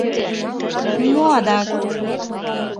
Мо адак...